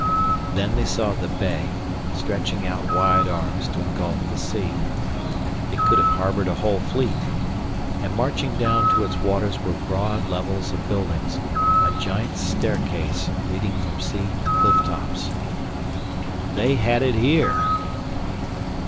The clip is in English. Then they saw the bay, stretching out wide arms to engulf the sea. It could have harbored a whole fleet. And marching down to its waters were broad levels of buildings, a giant's staircase leading from sea to cliff tops. "They had it here